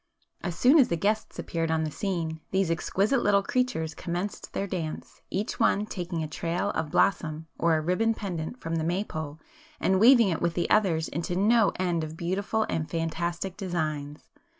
As soon as the guests appeared on the scene, these exquisite little creatures commenced their dance, each one taking a trail of blossom or a ribbon pendant from the May pole, and weaving it with the others into no end of beautiful and fantastic designs.